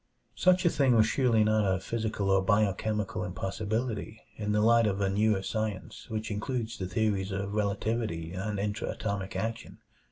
Such a thing was surely not a physical or biochemical impossibility in the light of a newer science which includes the theories of relativity and intra atomic action.